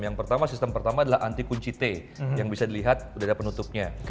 yang pertama adalah sistem anti kunci t yang bisa dilihat pada penutupnya